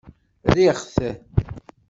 Rriɣ-t.